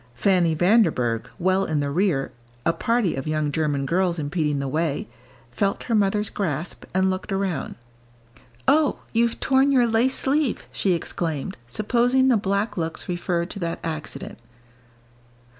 Fanny Vanderburgh, well in the rear, a party of young German girls impeding the way, felt her mother's grasp, and looked around. "Oh, you've torn your lace sleeve!" she exclaimed, supposing the black looks referred to that accident.